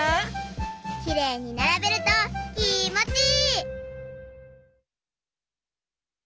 きれいにならべるときもちいい！